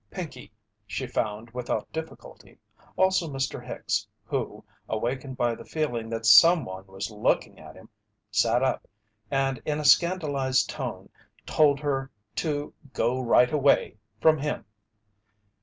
Pinkey she found without difficulty; also Mr. Hicks, who, awakened by the feeling that someone was looking at him, sat up and in a scandalized tone told her to go right away, from him.